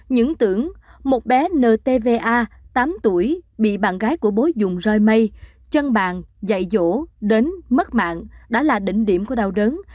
những tưởng một bé ntva tám tuổi bị bạn gái của bố dùng roi mây chân bàn dạy dỗ đến mất mạng đã là đỉnh điểm của đào đớn